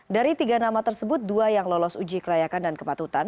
dari tiga nama tersebut dua yang lolos uji kelayakan dan kepatutan